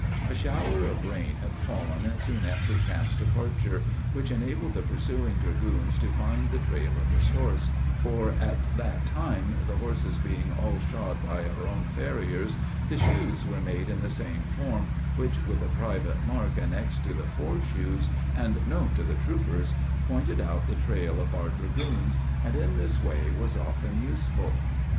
A shower of rain had fallen soon after Champe's departure, which enabled the pursuing dragoons to find the trail of his horse; for, at that time, the horses being all shod by our own farriers, the shoes were made in the same form which, with a private mark annexed to the fore shoes, and known to the troopers, pointed out the trail of our dragoons, and, in this way, was often useful.